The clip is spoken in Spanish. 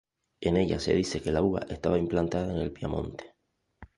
En ella se dice que la uva estaba implantada en el Piamonte.